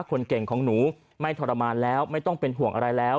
คนเก่งของหนูไม่ทรมานแล้วไม่ต้องเป็นห่วงอะไรแล้ว